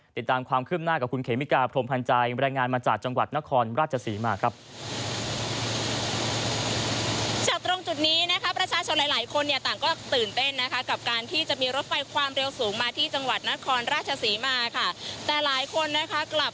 ติดตามความคืบหน้ากับคุณเขมิกาพรมพันธ์ใจบรรยายงานมาจากจังหวัดนครราชศรีมาครับ